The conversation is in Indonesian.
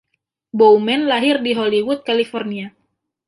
Bowman lahir di Hollywood, California.